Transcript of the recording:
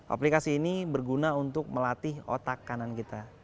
aplikasi ini berguna untuk melatih otak kanan kita